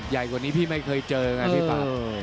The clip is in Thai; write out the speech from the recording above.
ใหญ่กว่านี้พี่ไม่เคยเจอไงพี่ปาก